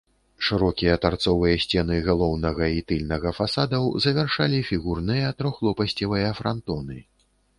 Шырокія тарцовыя сцены галоўнага і тыльнага фасадаў завяршалі фігурныя трохлопасцевыя франтоны.